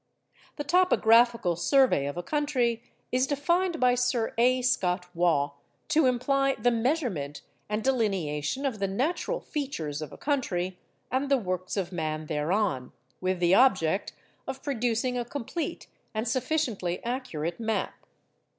The topographical survey of a country is defined by Sir A. Scott Waugh to imply 'the measurement and delineation of the natural features of a country, and the works of man thereon, with the object of producing a complete and sufficiently accurate map.